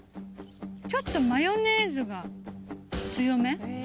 ちょっとマヨネーズが強め。